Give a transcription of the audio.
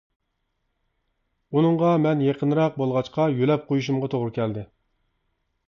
ئۇنىڭغا مەن يېقىنراق بولغاچقا يۆلەپ قويۇشۇمغا توغرا كەلدى.